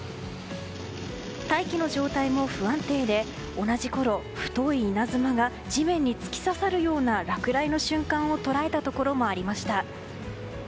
大気の状態も不安定で同じころ、太い稲妻が地面に突き刺さるような落雷の瞬間を捉えたところもありました。